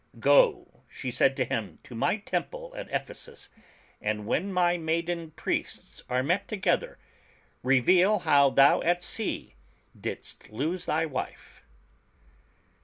"Go,'' she said to him, "to my temple at Ephesus, and when my maiden priests are met together, reveal how thou at sea didst lose thy wife."